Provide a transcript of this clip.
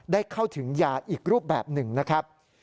ได้เข้าถึงยาอีกรูปแบบหนึ่งนะครับ